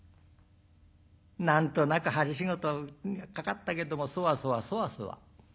何となく針仕事かかったけどもそわそわそわそわ。